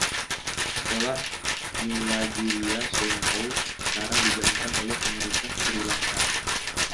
Sekolah Milagiriya Saint Paul sekarang dijalankan oleh Pemerintah Sri Lanka.